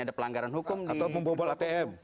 ada pelanggaran hukum atau membobol atm